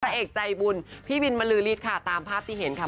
พระเอกใจบุญพี่บินมะลือรีดค่ะตามภาพที่เห็นค่ะ